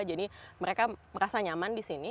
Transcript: jadi mereka merasa nyaman di sini